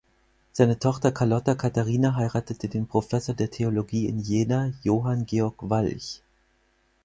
Seine Tochter Charlotta Katharina heiratete den Professor der Theologie in Jena Johann Georg Walch.